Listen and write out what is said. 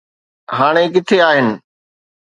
هاڻي ڪٿي آهن